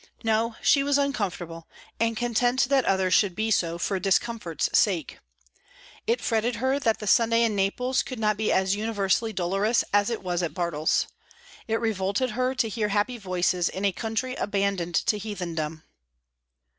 No; she was uncomfortable, and content that others should be so, for discomfort's sake. It fretted her that the Sunday in Naples could not be as universally dolorous as it was at Bartles. It revolted her to hear happy voices in a country abandoned to heathendom.